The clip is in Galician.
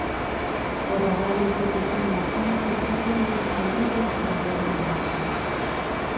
Os radares de pequeno alcance están sendo desenvolvidos para a guerra moderna.